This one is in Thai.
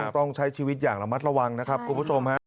ต้องใช้ชีวิตอย่างระมัดระวังนะครับคุณผู้ชมฮะ